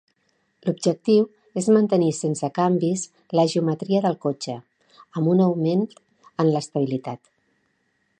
L'objectiu és mantenir sense canvis la geometria del cotxe, amb un augment en l'estabilitat.